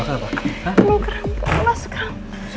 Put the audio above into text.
mau keramkan aku